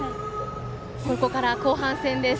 ここから後半戦です。